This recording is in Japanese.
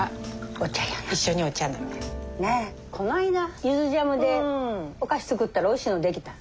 この間ゆずジャムでお菓子作ったらおいしいの出来た。